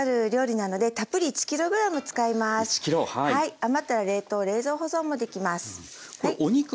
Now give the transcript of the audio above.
余ったら冷凍・冷蔵保存もできます。